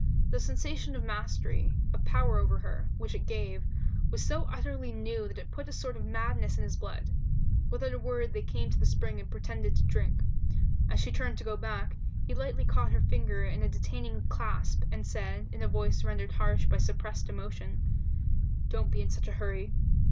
The sensation of mastery, of power over her, which it gave, was so utterly new that it put a sort of madness in his blood. Without a word they came to the spring and pretended to drink. As she turned to go back, he lightly caught her fingers in a detaining clasp, and said, in a voice rendered harsh by suppressed emotion "Don't be in such a hurry.